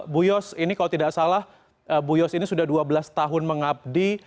bu yos ini kalau tidak salah bu yos ini sudah dua belas tahun mengabdi